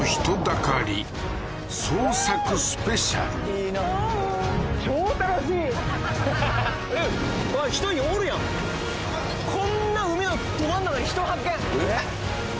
いいなーあっ人おるやんこんな海のど真ん中に人発見